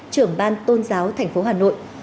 trưởng ban tôn giáo thành phố hà nội